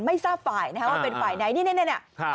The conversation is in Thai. ไม่ทราบฝ่ายนะครับว่าเป็นฝ่ายไหนนี่นี่นี่นี่